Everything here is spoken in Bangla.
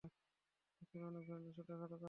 আসলে অনেক ধরনের ছোটখাটো কাজ আছেনা।